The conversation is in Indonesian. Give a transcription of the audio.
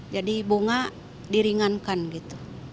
jadi bunga diringankan gitu